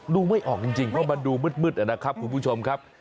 ไม่ออกจริงเพราะมันดูมืดนะครับคุณผู้ชมครับ